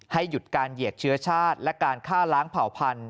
หยุดการเหยียดเชื้อชาติและการฆ่าล้างเผ่าพันธุ